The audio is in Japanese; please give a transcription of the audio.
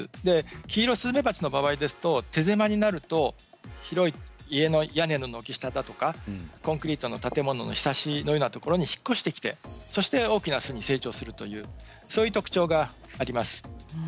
キイロスズメバチの場合ですと手狭になると広い家の屋根の軒下だとかコンクリートの建物のひさしのようなところに引っ越してきて、そして大きな巣に成長するという特徴があります。